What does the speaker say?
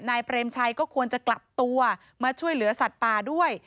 เปรมชัยก็ควรจะกลับตัวมาช่วยเหลือสัตว์ป่าด้วย